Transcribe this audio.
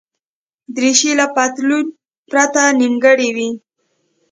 دریشي له پتلون پرته نیمګړې وي.